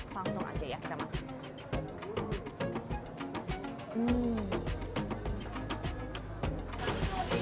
langsung aja ya kita makan